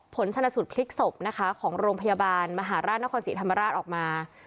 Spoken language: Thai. ผลชนสูตรพลิกศพนะคะของโรงพยาบาลมหาราชนครศรีธรรมราชออกมา